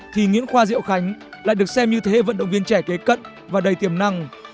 thì nguyễn khoa diệu khánh lại được xem như thế hệ vận động viên trẻ kế cận và đầy tiềm năng